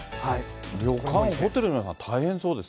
旅館、ホテルの方、大変そうです。